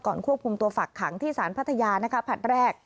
ควบคุมตัวฝักขังที่สารพัทยานะคะผลัดแรก